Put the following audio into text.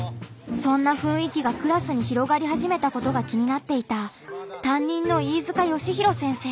そんなふんい気がクラスに広がりはじめたことが気になっていた担任の飯塚喜大先生。